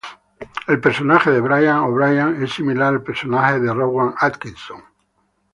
El personaje de Brian O'Brian es similar al personaje de Rowan Atkinson: Mr.